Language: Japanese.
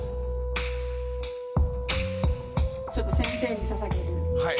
ちょっと先生に捧げる。